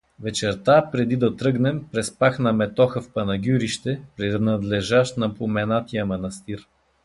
Вечерта, преди да тръгнем, преспах на метоха в Панагюрище, принадлежащ на поменатия манастир.